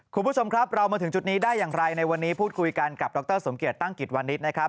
คุณผู้ชมครับเรามาถึงจุดนี้ได้อย่างไรในวันนี้พูดคุยกันกับดรสมเกียจตั้งกิจวันนี้นะครับ